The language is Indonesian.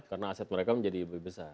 karena aset mereka menjadi lebih besar